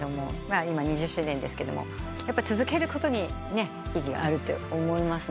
今２０周年ですけどやっぱ続けることに意義があると思いますので。